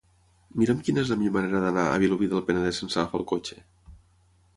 Mira'm quina és la millor manera d'anar a Vilobí del Penedès sense agafar el cotxe.